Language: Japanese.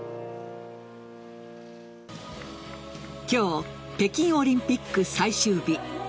今日、北京オリンピック最終日。